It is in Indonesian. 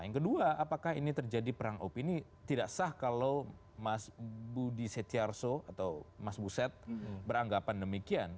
yang kedua apakah ini terjadi perang opini tidak sah kalau mas budi setiarso atau mas buset beranggapan demikian